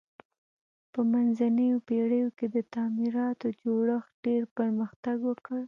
په منځنیو پیړیو کې د تعمیراتو جوړښت ډیر پرمختګ وکړ.